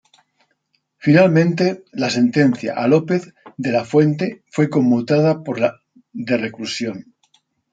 Finalmente, la sentencia a López de la Fuente fue conmutada por la de reclusión.